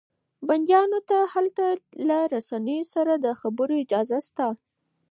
بنديانو ته هلته له رسنيو سره د خبرو اجازه شته.